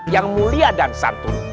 yang mulia dan santun